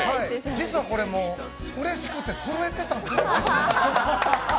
実はこれ、うれしくて震えてたんです。